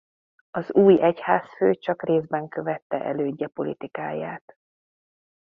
Az új egyházfő csak részben követte elődje politikáját.